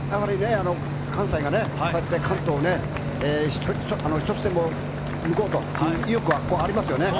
関西が上がって関東を１つでも抜こうと意欲はありますよね。